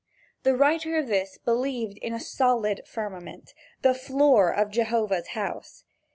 The writer of this believed in a solid firmament the floor of Jehovah's house.